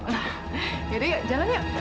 nah yaudah ya jalan yuk